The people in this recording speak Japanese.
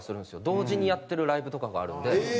同時にやってるライブとかがあるので。